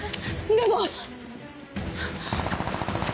でも！